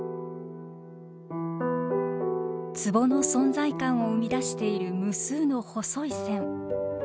壺の存在感を生み出している無数の細い線。